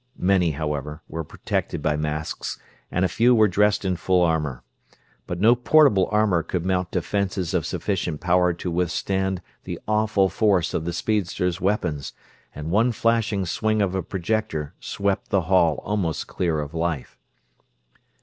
Many, however, were protected by masks, and a few were dressed in full armor. But no portable armor could mount defenses of sufficient power to withstand the awful force of the speedster's weapons, and one flashing swing of a projector swept the hall almost clear of life.